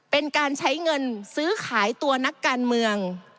เป็นการใช้เงินซื้อขายตัวนักการเมือง